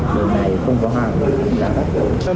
đời này không có hàng giá bắt